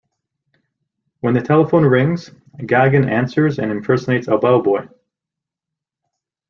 When the telephone rings, Gagin answers and impersonates a bell boy.